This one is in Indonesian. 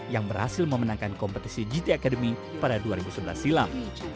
yang berhasil memenangkan kompetisi gt academy pada dua ribu sebelas silam